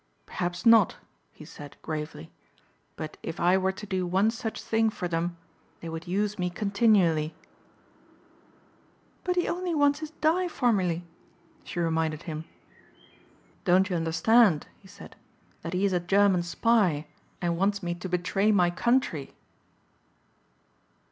"Perhaps not," he said gravely, "but if I were to do one such thing for them they would use me continually." "But he only wants his dye formulae," she reminded him. "Don't you understand," he said, "that he is a German spy and wants me to betray my country?"